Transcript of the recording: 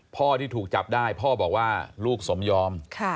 ที่ถูกจับได้พ่อบอกว่าลูกสมยอม